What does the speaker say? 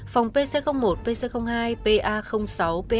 phòng pc một pc hai pa sáu